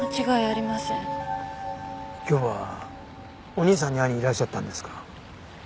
今日はお兄さんに会いにいらっしゃったんですか？